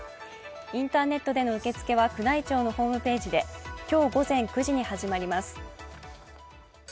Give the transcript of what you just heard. インターネットでの受付は宮内庁のホームページで今日午前９時に始まります。